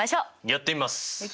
やってみます！